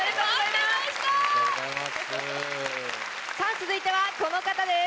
続いてはこの方です。